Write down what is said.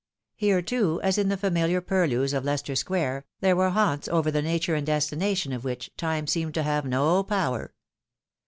Here, too, as ia the famihar purheus of Leicester square, there ■were haunts over the nature and destination of which, time seemed to have no power.